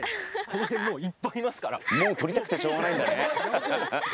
もうとりたくてしょうがないんだね。